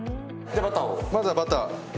まずはバターを。